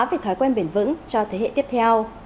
về thói quen bền vững cho thế hệ tiếp theo